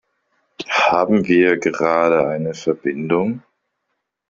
Haben wir gerade eine Verbindung?